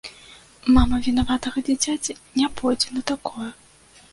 Мама вінаватага дзіцяці не пойдзе на такое.